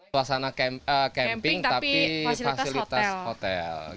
suasana camping tapi fasilitas hotel